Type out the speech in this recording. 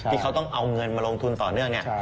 ที่เขาต้องเอาเงินมาลงทุนต่อเนื่องเนี่ย